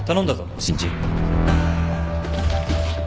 新人。